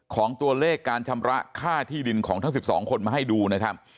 ของตัวเลขการชำระค่าที่ดินของทั้ง๑๒คนมาให้ดูนะครับ